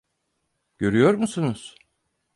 Görüyor musunuz?